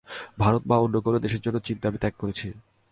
ভারত বা অন্য কোন দেশের জন্য চিন্তা আমি ত্যাগ করেছি।